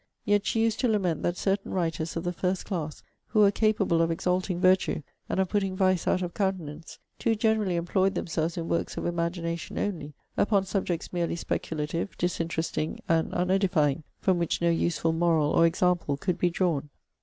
Yet she used to lament that certain writers of the first class, who were capable of exalting virtue, and of putting vice out of countenance, too generally employed themselves in works of imagination only, upon subjects merely speculative, disinteresting and unedifying, from which no useful moral or example could be drawn.